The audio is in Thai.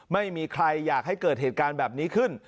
ไม่มีใครอยากให้เกิดเหตุการณ์แบบนี้ขึ้น